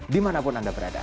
dimanapun anda berada